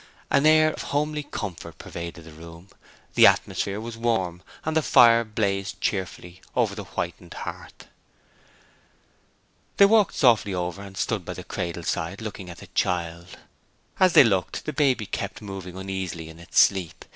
An air of homely comfort pervaded the room; the atmosphere was warm, and the fire blazed cheerfully over the whitened hearth. They walked softly over and stood by the cradle side looking at the child; as they looked the baby kept moving uneasily in its sleep.